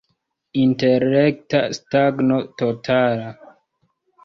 Intelekta stagno totala.